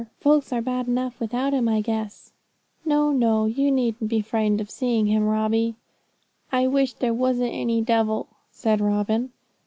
Folks are bad enough without him, I guess. No, no; you needn't be frightened of seeing him, Robbie.' 'I wish there wasn't any devil,' said Robin.